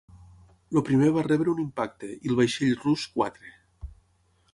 El primer va rebre un impacte i el vaixell rus quatre.